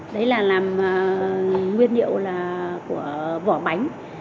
đấy là làm nguyên liệu của vỏ bánh